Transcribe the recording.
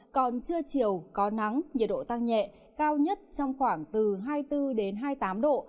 còn trưa chiều có nắng nhiệt độ tăng nhẹ cao nhất trong khoảng từ hai mươi bốn hai mươi tám độ